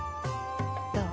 どう？